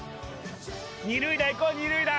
二塁打いこう二塁打！